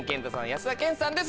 安田顕さんです